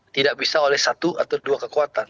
tidak bisa oleh satu atau dua kekuatan